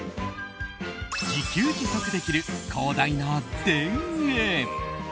自給自足できる広大な田園。